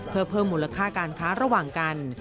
เพื่อเพิ่มมูลค่าการค้าระหว่างกัน